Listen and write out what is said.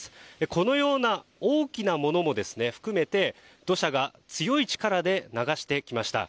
このような大きなものも含めて土砂が強い力で流してきました。